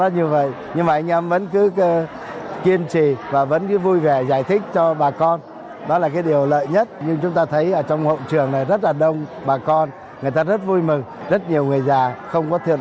nhưng vẫn cứ kiên trì và vẫn vui vẻ giải thích cho bà con